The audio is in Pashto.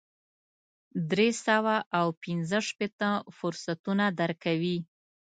درې سوه او پنځه شپېته فرصتونه درکوي.